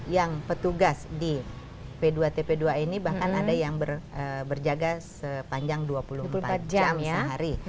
yang petugas di p dua tp dua ini bahkan ada yang berjaga sepanjang dua puluh empat jam sehari